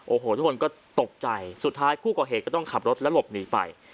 โอ้โหทุกคนก็ตกใจสุดท้ายผู้ก่อเหตุก็ต้องขับรถและหลบหนีไป